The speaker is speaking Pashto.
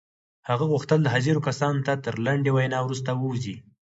هغه غوښتل حاضرو کسانو ته تر لنډې وينا وروسته ووځي.